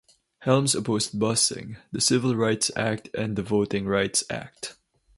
Helms opposed busing, the Civil Rights Act and the Voting Rights Act.